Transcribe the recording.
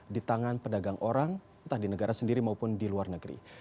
di tangan pedagang orang entah di negara sendiri maupun di luar negeri